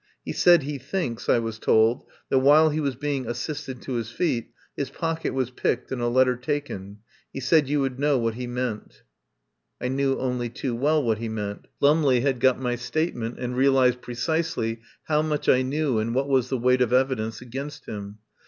"He said he thinks," I was told, "that, while he was being assisted to his feet, his pocket was picked and a letter taken. He said you would know what he meant." I knew only too well what he meant. Lum 167 THE POWER HOUSE ley had got my statement, and realised pre cisely how much I knew and what was the weight of evidence against him.